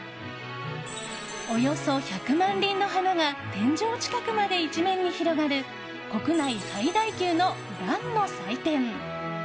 およそ１００万輪の花が天井近くまで一面に広がる国内最大級のランの祭典。